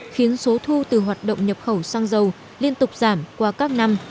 khiến số thu từ hoạt động nhập khẩu xăng dầu liên tục giảm qua các năm